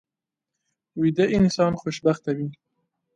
ویده انسان خوشبخته وي